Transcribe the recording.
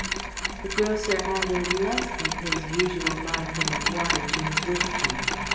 The grocer added less than his usual modicum of water to his whisky.